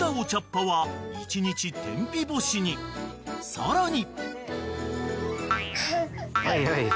［さらに］